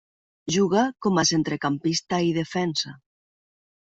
Juga com a centrecampista i defensa.